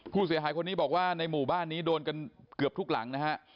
ผู้เสียหายคนนี้บอกว่าในหมู่บ้านนี้โดนกันเกือบทุกหลังนะฮะ